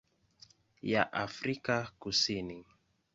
ya Afrika Kusini.